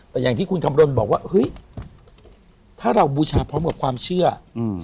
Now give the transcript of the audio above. แต่อย่างที่คุณคำรณบอกว่าเฮ้ยถ้าเราบูชาพร้อมกับความเชื่ออืม